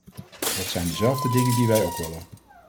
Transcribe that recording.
Dat zijn dezelfde dingen die wij ook willen.